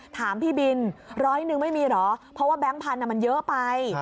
ถามพี่บินร้อยหนึ่งไม่มีเหรอเพราะว่าแก๊งพันธุ์มันเยอะไป